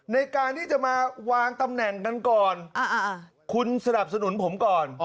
ในการที่จะมาวางตำแหน่งกันก่อนคุณสนับสนุนผมก่อน